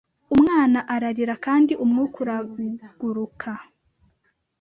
umwana ararira Kandi umwuka uraguruka